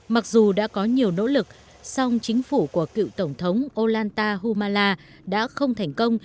mặc dù đã có nhiều nỗ lực song chính phủ của cựu tổng thống olanta humala đã không thành công